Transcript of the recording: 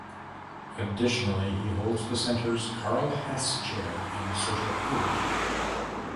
Additionally, he holds the center's Karl Hess Chair in Social Theory.